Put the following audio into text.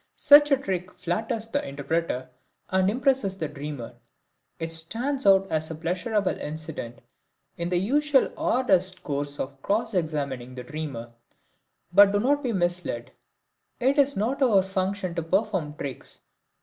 Such a trick flatters the interpreter and impresses the dreamer; it stands out as a pleasurable incident in the usual arduous course of cross examining the dreamer. But do not be misled. It is not our function to perform tricks.